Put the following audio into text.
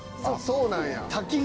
そうなんや。